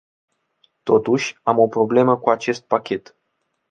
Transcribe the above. Totuși, am o problemă cu acest pachet.